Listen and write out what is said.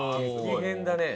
激変だね。